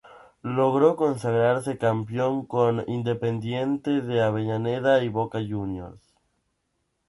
Logró consagrarse campeón con Independiente de Avellaneda y Boca Juniors.